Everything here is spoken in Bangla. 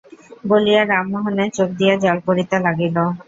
বলিয়া রামমোহনের চোখ দিয়া জল পড়িতে লাগিল।